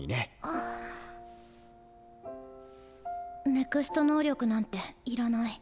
ＮＥＸＴ能力なんていらない。